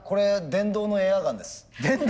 電動のエアガン。